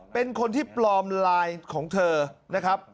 เป็นคนที่ปลอมไลน์ของเธอนะครับ